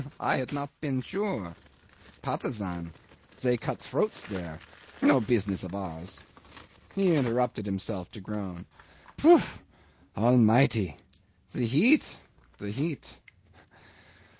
I had not been sure. Patusan they cut throats there no business of ours." He interrupted himself to groan. "Phoo! Almighty! The heat! The heat!